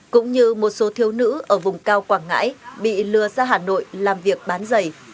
cũng như một số thiếu nữ ở vùng cao quảng ngãi bị lừa ra hà nội làm việc bán giày